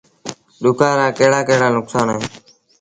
ڏُڪآر رآ ڪهڙآ ڪهڙآ نڪسآݩ اهيݩ۔